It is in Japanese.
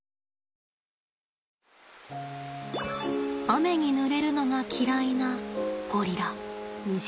雨にぬれるのが嫌いなゴリラ。